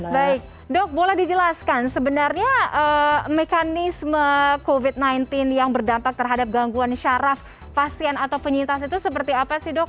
baik dok boleh dijelaskan sebenarnya mekanisme covid sembilan belas yang berdampak terhadap gangguan syaraf pasien atau penyintas itu seperti apa sih dok